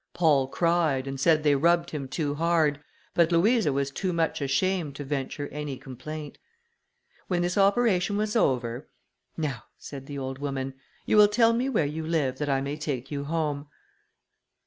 Paul cried, and said they rubbed him too hard, but Louisa was too much ashamed to venture any complaint. When this operation was over, "Now," said the old woman, "you will tell me where you live, that I may take you home."